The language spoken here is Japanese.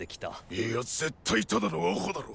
いや絶対ただのアホだろ。